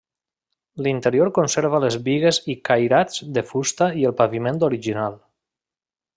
L'interior conserva les bigues i cairats de fusta i el paviment original.